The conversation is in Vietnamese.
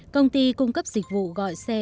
công ty cung cấp dịch vụ gọi xe